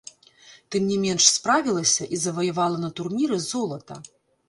Тым не менш справілася і заваявала на турніры золата.